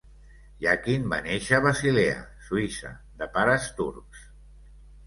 Yakin va néixer a Basilea, Suïssa, de pares turcs.